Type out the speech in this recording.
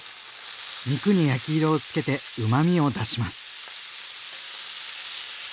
肉に焼き色をつけてうまみを出します。